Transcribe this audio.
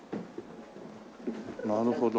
なるほど。